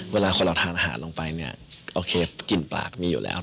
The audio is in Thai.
เวลาคนเราทานอาหารลงไปเนี่ยโอเคกลิ่นปากมีอยู่แล้ว